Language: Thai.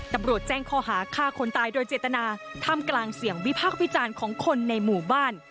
ตำรวจแจ้งข้อหาฆ่าคนตายโดยเจตนาท่ามกลางเสียงวิพากษ์วิจารณ์ของคนในหมู่บ้าน